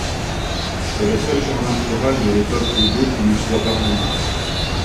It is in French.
C'est le seul jardin floral de l'époque d'Edo qui nous soit parvenu.